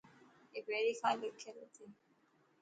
اي پهرين کان لکيل هتي.